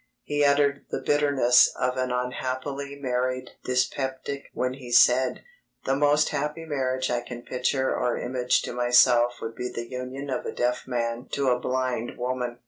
He uttered the bitterness of an unhappily married dyspeptic when he said: "The most happy marriage I can picture or image to myself would be the union of a deaf man to a blind woman."